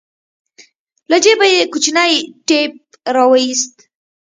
له جيبه يې کوچنى ټېپ راوايست.